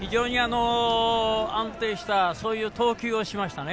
非常に、安定したそういう投球をしましたね。